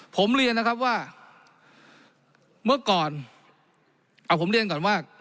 ผมเรียนนะครับว่าเมื่อก่อนเอาผมเรียนก่อนว่า